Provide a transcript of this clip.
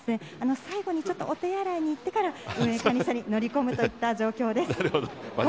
今、監督たちは最後にちょっとお手洗いに行ってから運営管理車に乗り込むといった状況です。